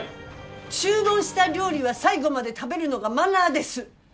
注文した料理は最後まで食べるのがマナーです。